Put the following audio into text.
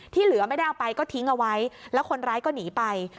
เหลือไม่ได้เอาไปก็ทิ้งเอาไว้แล้วคนร้ายก็หนีไป